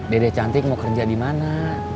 dede cantik mau kerja di mana